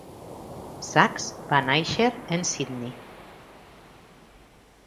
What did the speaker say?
Sacks va nàixer en Sydney.